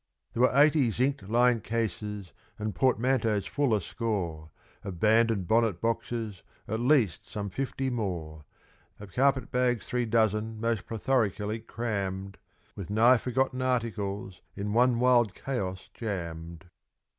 There were eighty zinc lined cases and portmanteaus full a score, Of band and bonnet boxes at least some fifty more, Of carpet bags three dozen most plethorically crammed, With nigh forgotten articles in one wild chaos jammed.